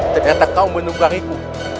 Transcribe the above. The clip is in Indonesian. ternyata kau menunggangiku